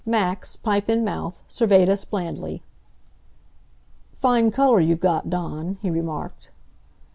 Max, pipe in mouth, surveyed us blandly. "Fine color you've got, Dawn," he remarked.